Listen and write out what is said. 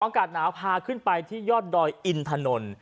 อากาศหนาวพาขึ้นไปที่ยอดดอยอินถนน